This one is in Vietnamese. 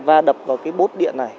va đập vào cái bốt điện này